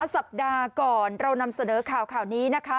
สัปดาห์ก่อนเรานำเสนอข่าวนี้นะคะ